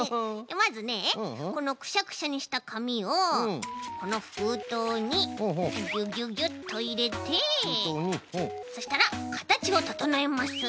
まずねこのくしゃくしゃにしたかみをこのふうとうにギュギュギュッといれてそしたらかたちをととのえます。